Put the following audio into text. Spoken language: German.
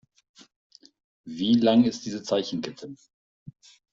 Wie lang ist diese Zeichenkette?